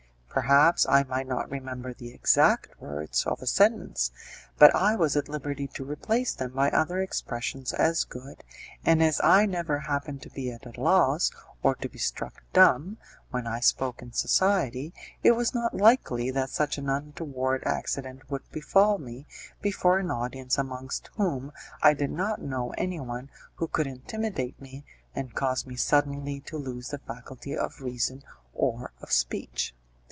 Perhaps I might not remember the exact words of a sentence, but I was at liberty to replace them by other expressions as good, and as I never happened to be at a loss, or to be struck dumb, when I spoke in society, it was not likely that such an untoward accident would befall me before an audience amongst whom I did not know anyone who could intimidate me and cause me suddenly to lose the faculty of reason or of speech.